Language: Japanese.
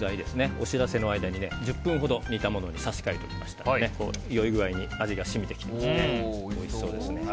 お知らせの間に１０分ほど煮たものに差し替えておきましたのでいい具合に味が染みてきておいしそうですね。